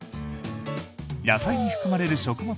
野菜に含まれる食物